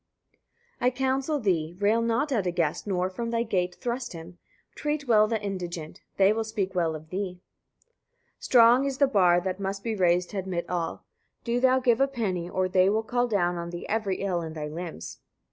137. I counsel thee, etc. Rail not at a guest, nor from thy gate thrust him; treat well the indigent; they will speak well of thee. 138. Strong is the bar that must be raised to admit all. Do thou give a penny, or they will call down on thee every ill in thy limbs.